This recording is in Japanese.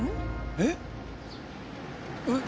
えーっ！えっ？